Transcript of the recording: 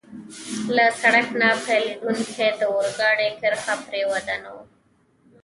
له سړک نه بېلېدونکې د اورګاډي کرښه پرې ودانوه.